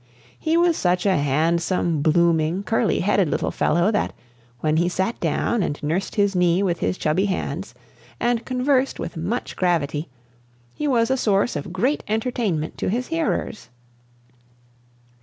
He was such a handsome, blooming, curly headed little fellow, that, when he sat down and nursed his knee with his chubby hands, and conversed with much gravity, he was a source of great entertainment to his hearers.